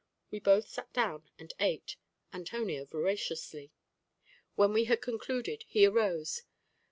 We both sat down and ate Antonio voraciously. When we had concluded he arose.